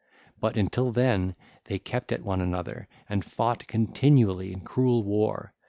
But until then, they kept at one another and fought continually in cruel war.